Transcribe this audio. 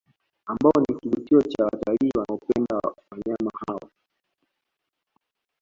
Ambao ni Kivutio cha Watalii wanaopenda wanyama hao